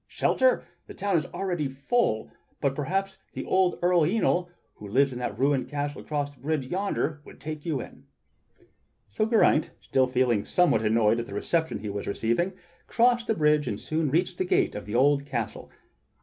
Shelter? The town is already full, but perhaps the old Earl Yniol who lives in that ruined castle across the bridge yonder would take you in." So Geraint, still feeling somewhat annoyed at the reception he was receiving, crossed the bridge and soon reached the gate of the old castle.